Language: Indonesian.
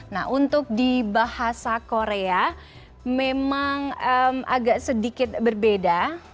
nah untuk di bahasa korea memang agak sedikit berbeda